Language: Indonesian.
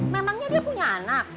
memangnya dia punya anak